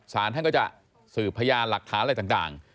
สารท่านก็จะสืบพยานหลักฐานอะไรต่าง